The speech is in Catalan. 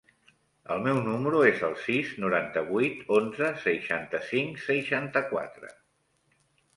El meu número es el sis, noranta-vuit, onze, seixanta-cinc, seixanta-quatre.